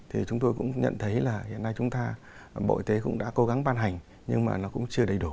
thì chúng tôi cũng nhận thấy là hiện nay chúng ta bộ y tế cũng đã cố gắng ban hành nhưng mà nó cũng chưa đầy đủ